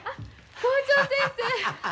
校長先生！